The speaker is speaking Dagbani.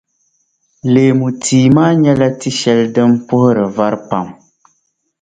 Leemu tia maa nyɛla tia shεli din puhiri vari pam.